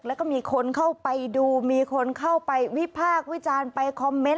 แล้วก็มีคนเข้าไปดูมีคนเข้าไปวิพากษ์วิจารณ์ไปคอมเมนต์